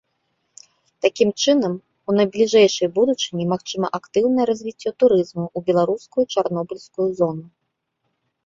Такім чынам, у найбліжэйшай будучыні магчыма актыўнае развіццё турызму ў беларускую чарнобыльскую зону.